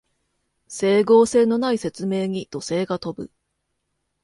整合性のない説明に怒声が飛ぶ